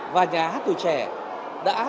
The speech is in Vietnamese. và nhà hát tuổi trẻ đã